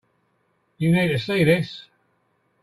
You need to see this.